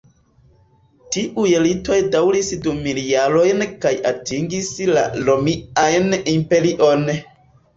Tiuj ritoj daŭris du mil jarojn kaj atingis la Romian Imperion.